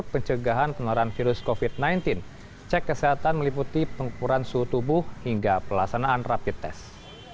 pencegahan penularan virus covid sembilan belas cek kesehatan meliputi pengukuran suhu tubuh hingga pelaksanaan rapid test